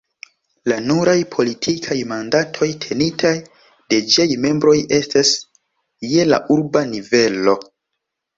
La nuraj politikaj mandatoj tenitaj de ĝiaj membroj estas je la urba nivelo.